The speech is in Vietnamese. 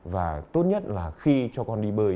và tốt nhất là khi cho con đi bơi